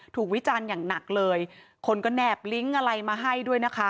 วิจารณ์อย่างหนักเลยคนก็แนบลิงก์อะไรมาให้ด้วยนะคะ